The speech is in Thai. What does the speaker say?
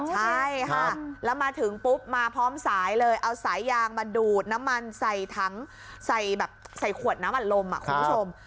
ใช่ค่ะแล้วมาถึงปุ๊บมาพร้อมสายเลยเอาสายยางมาดูดน้ำมันใส่ถังใส่แบบใส่ขวดน้ำอัดลมคุณผู้ชม